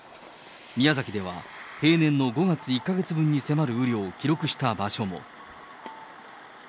宮崎では、平年の５月１か月分に迫る雨量を記録した場所も。